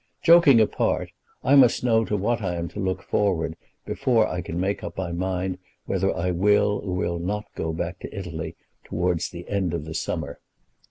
Joking apart, I must know to what I am to look forward before I can make up my mind whether I will or will not go back to Italy towards the end of the summer.